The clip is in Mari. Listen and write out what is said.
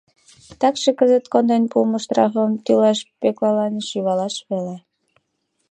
Такше кызыт конден пуымо штрафым тӱлаш Пӧклалан шӱвалаш веле.